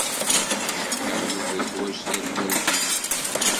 Cikkeɣ Yuba yeḥwaj tallalt-nnek.